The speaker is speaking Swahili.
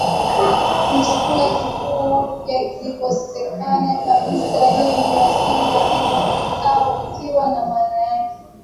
ni chakula kikuu yalikosekana kabisa Hii ndio asili ya neno ikiwa na maana ya